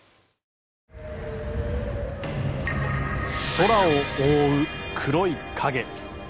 空を覆う黒い影。